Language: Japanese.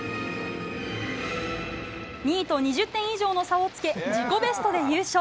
２位と２０点以上の差をつけ自己ベストで優勝。